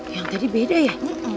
yang tadi beda ya